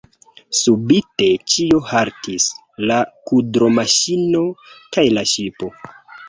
Subite ĉio haltis: la kudromaŝino kaj la ŝipo.